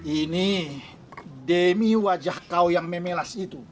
ini demi wajah kau yang memelas itu